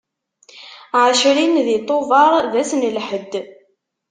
Ɛecrin di tubeṛ d ass n lḥedd.